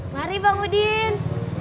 mari bang udin